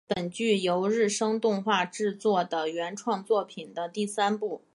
本剧由日升动画制作的原创作品的第三部。